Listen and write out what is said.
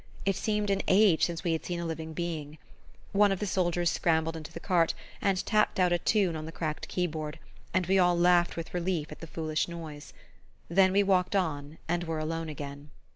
It seemed an age since we had seen a living being! One of the soldiers scrambled into the cart and tapped out a tune on the cracked key board, and we all laughed with relief at the foolish noise... Then we walked on and were alone again.